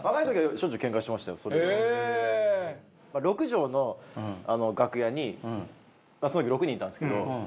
６畳の楽屋にその時６人いたんですけど。